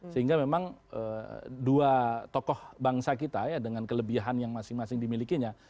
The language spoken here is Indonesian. sehingga memang dua tokoh bangsa kita ya dengan kelebihan yang masing masing dimilikinya